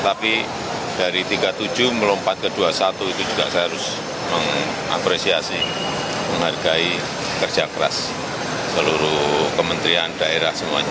tapi dari tiga puluh tujuh melompat ke dua puluh satu itu juga saya harus mengapresiasi menghargai kerja keras seluruh kementerian daerah semuanya